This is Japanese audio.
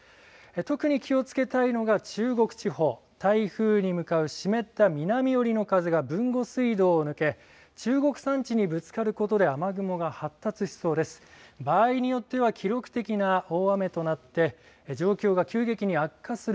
特に気をつけたいのが中国地方、台風に向かう湿った南寄りの風が豊後水道を抜け中国山地にぶつかることで雨雲が発達しそうです。